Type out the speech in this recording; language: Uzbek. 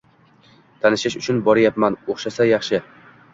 tanishish uchun boryapman, oʻxshasa, yaxshi.